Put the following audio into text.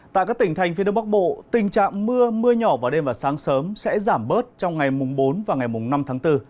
tại các tỉnh thành phía đông bắc bộ tình trạng mưa mưa nhỏ vào đêm và sáng sớm sẽ giảm bớt trong ngày mùng bốn và ngày mùng năm tháng bốn